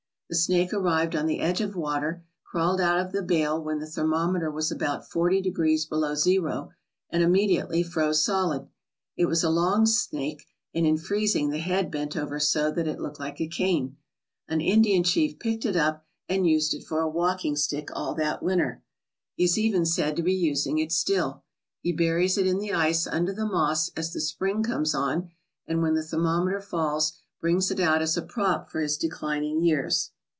The snake arrived on the edge of winter, crawled out of the bale when the thermometer was about forty degrees below zero and immediately froze solid. It was a long snake and in freezing the head bent over so that it looked like a cane. An Indian chief picked it up and used it for a walking stick all that winter. He is 176 AMONG THE OLD TIMERS even said to be using it still. He buries it in the ice under the moss as the spring comes on, and when the thermometer falls brings it out as a prop for his declining years.